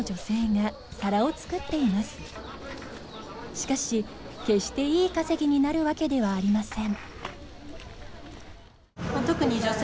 しかし決していい稼ぎになるわけではありません。